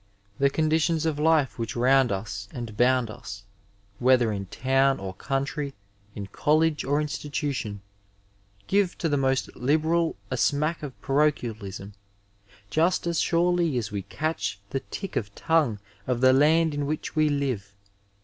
The conditions of life which round us and bound us, whether in town or country, in college or institution, give to the most liberal a smack of parochial ism, just as surely as we catch the tic of tongue of the land in which we live.